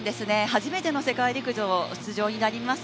初めての世界陸上出場になります